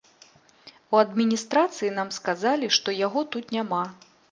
У адміністрацыі нам сказалі, што яго тут няма.